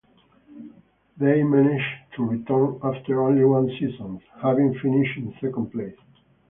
They managed to return after only one season, having finished in second place.